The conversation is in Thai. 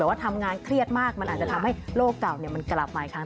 แต่ว่าทำงานเครียดมากมันอาจจะทำให้โลกเก่ามันกลับมาอีกครั้ง